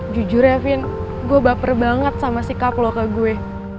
jujur ya vin gue baper banget sama sikap loh ke gue